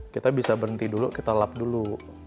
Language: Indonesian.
kita bisa berhenti dulu kita lap dulu